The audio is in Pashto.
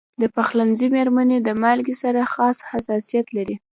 د پخلنځي میرمنې د مالګې سره خاص حساسیت لري.